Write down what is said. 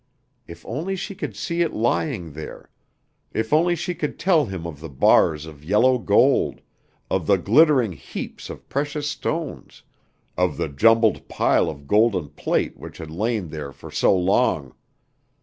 If only she could see it lying there; if only she could tell him of the bars of yellow gold, of the glittering heaps of precious stones, of the jumbled pile of golden plate which had lain there for so long!